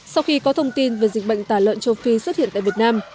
sau khi có thông tin về dịch bệnh tả lợn châu phi xuất hiện tại việt nam